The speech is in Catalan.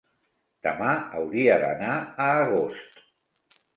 Demà hauria d'anar a Agost.